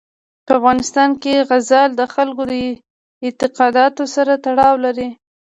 په افغانستان کې زغال د خلکو د اعتقاداتو سره تړاو لري.